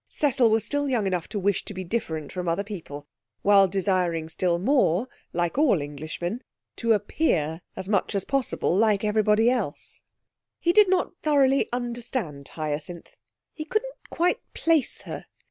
Cecil was still young enough to wish to be different from other people, while desiring still more, like all Englishmen, to appear as much as possible like everybody else. He did not thoroughly understand Hyacinth; he couldn't quite place her.